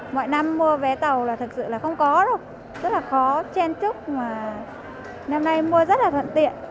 mọi năm mua vé tàu là thật sự là không có đâu rất là khó chen chúc mà năm nay mua rất là thuận tiện